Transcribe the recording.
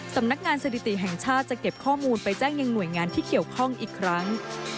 สำนักงานสถิติแห่งชาติจะเก็บข้อมูลไปแจ้งยังหน่วยงานที่เกี่ยวข้องอีกครั้ง